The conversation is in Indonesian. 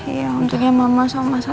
iya untuknya mama sama masalah